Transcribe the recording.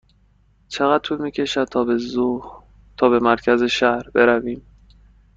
چقدر طول می کشد تا به مرکز شهر برویم؟